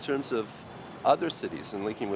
trước khi được đề nghị